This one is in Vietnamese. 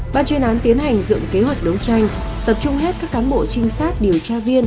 ban chuyên án tiến hành dựng kế hoạch đấu tranh tập trung hết các cán bộ trinh sát điều tra viên